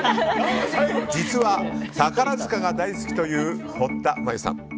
実は、宝塚が大好きという堀田真由さん。